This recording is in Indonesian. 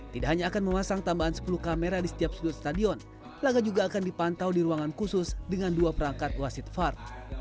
tidak hanya akan memasang tambahan sepuluh kamera di setiap sudut stadion laga juga akan dipantau di ruangan khusus dengan dua perangkat wasit fart